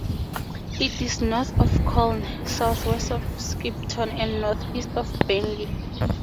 It is north of Colne, south-west of Skipton, and north-east of Burnley.